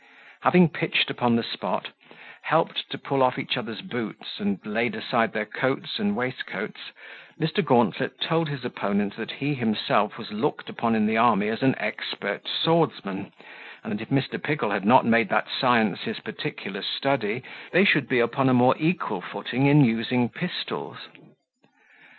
Having pitched upon the spot, helped to pull off each other's boots, and laid aside their coats and waistcoats, Mr. Gauntlet told his opponent, that he himself was looked upon in the army as an expert swordsman, and that if Mr. Pickle had not made that science his particular study, they should be upon a more equal footing in using pistols.